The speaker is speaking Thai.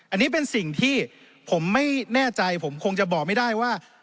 อันนี้เป็นสิ่งที่ผมไม่แน่ใจผมคงจะบอกไม่ได้ว่า